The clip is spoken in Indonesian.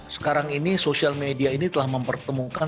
sekarang ini sosial media ini telah mempertemukan